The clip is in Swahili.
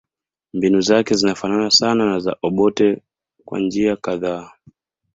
Mbinu zake zinafanana sana na za Obote kwa njia kadhaa